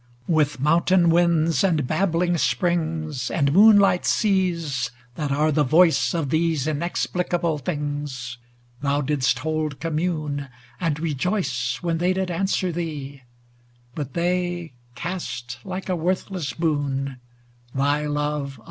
With mountain winds, and babbling springs. And moonlight seas, that are the voice Of these inexplicable things, Thou didst hold commune, and rejoice When they did answer thee ; but they Cast, like a worthless boon, thy love away.